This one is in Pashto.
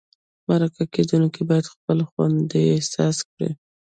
مرکه کېدونکی باید ځان خوندي احساس کړي.